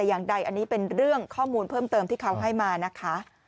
อย่างใดอันนี้เป็นเรื่องข้อมูลเพิ่มเติมที่เขาให้มานะคะ